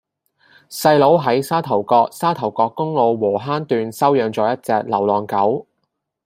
細佬喺沙頭角沙頭角公路禾坑段收養左一隻流浪狗